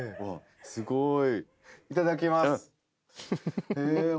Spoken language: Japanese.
すごい。